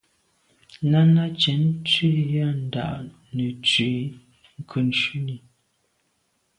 Náná cɛ̌d tswî á ndǎ’ nə̀ tswì ŋkʉ̀n shúnī.